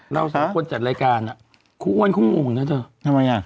เราสองคนจัดรายการคงโง่นนะเธอทำไมอ่ะ